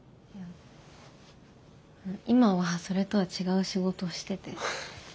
今はそれとは違う仕事してて。